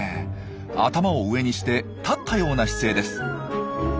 頭を上にして立ったような姿勢です。